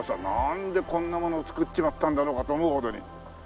なんでこんなものを造っちまったんだろうかと思うほどに。